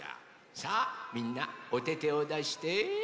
さあみんなおててをだして。